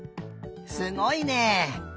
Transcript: すごいね。